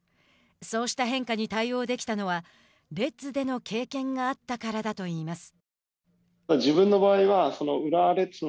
そうした変化に対応できたのはレッズでの経験があったからだと言います。